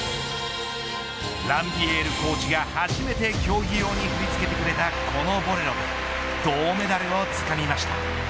ランビエールコーチが初めて競技用に振りつけてくれたこのボレロで銅メダルをつかみました。